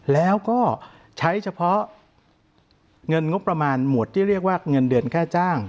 แล้วก็ใช้เฉพาะเงินงบประมาณหมวดที่เรียกว่าเงินเดือนค่าจ้าง